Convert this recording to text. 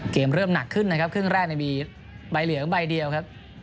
เริ่มหนักขึ้นนะครับครึ่งแรกมีใบเหลืองใบเดียวครับ